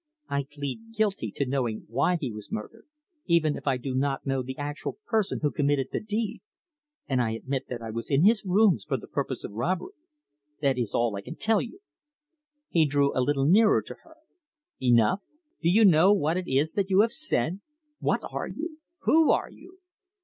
I plead guilty to knowing why he was murdered, even if I do not know the actual person who committed the deed, and I admit that I was in his rooms for the purpose of robbery. That is all I can tell you." He drew a little nearer to her. "Enough! Do you know what it is that you have said? What are you? Who are you?"